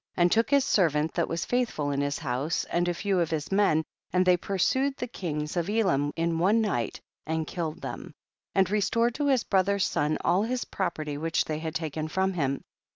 9. And took his servant that was faithful in his house and a few of his men, and they pursued the kings of Elam in one night and killed them, and restored to his brother's son all his property which they had taken from him.